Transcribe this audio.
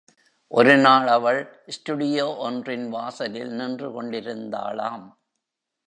ஒருநாள் அவள் ஸ்டுடியோ ஒன்றின் வாசலில் நின்று கொண்டிருந்தாளாம்.